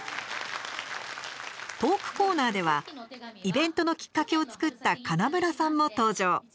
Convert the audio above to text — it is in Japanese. トークコーナーではイベントのきっかけを作った金村さんも登場。